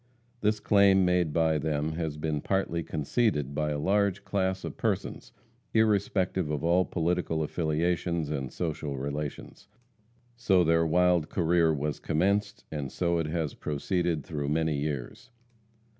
This claim, made by them, has been partly conceded by a large class of persons, irrespective of all political affiliations and social relations. So their wild career was commenced, and so it has proceeded through many years.